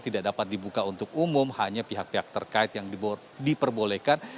tidak dapat dibuka untuk umum hanya pihak pihak terkait yang diperbolehkan